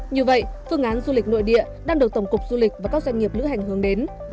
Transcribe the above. như vậy phương án du lịch nội địa đang được tổng cục du lịch và các doanh nghiệp lữ hành hướng đến